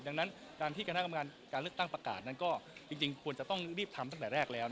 ดังนั้นการที่คณะกรรมการการเลือกตั้งประกาศนั้นก็จริงควรจะต้องรีบทำตั้งแต่แรกแล้ว